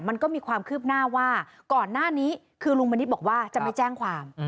มันก็มีความคืบหน้าว่าก่อนหน้านี้คือลุงมณิษฐ์บอกว่าจะไม่แจ้งความ